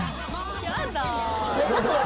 やだ。